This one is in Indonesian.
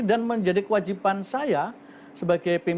dan menjadi kewajiban saya sebagai pimpinan